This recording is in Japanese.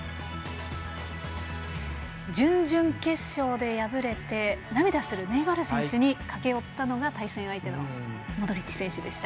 準々決勝で敗れて涙するネイマール選手に駆け寄ったのが対戦相手のモドリッチ選手でした。